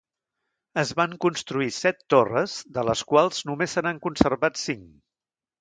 Es van construir set torres de les quals només se n'han conservat cinc.